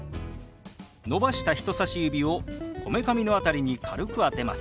伸ばした人さし指をこめかみの辺りに軽く当てます。